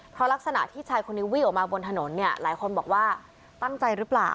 เพราะลักษณะที่ชายคนนี้วิ่งออกมาบนถนนเนี่ยหลายคนบอกว่าตั้งใจหรือเปล่า